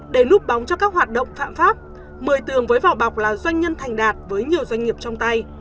để núp bóng cho các hoạt động phạm pháp mười tường với vỏ bọc là doanh nhân thành đạt với nhiều doanh nghiệp trong tay